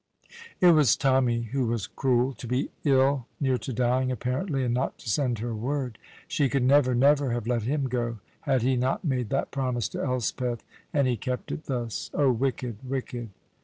It was Tommy who was cruel. To be ill, near to dying, apparently, and not to send her word! She could never, never have let him go had he not made that promise to Elspeth; and he kept it thus. Oh, wicked, wicked!